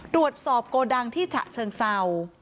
ตรวจสอบโกดังที่ฉะเชิงเศร้า